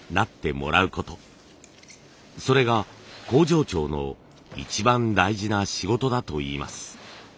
それが工場長の一番大事な仕事だといいます。